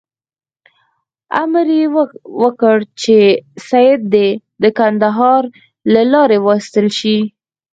امر یې وکړ چې سید دې د کندهار له لارې وایستل شي.